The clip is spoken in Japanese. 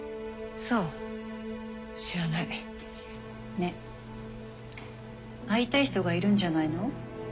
ね会いたい人がいるんじゃないの？